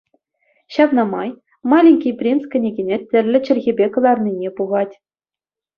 Ҫавна май «Маленький принц» кӗнекене тӗрлӗ чӗлхепе кӑларнине пухать.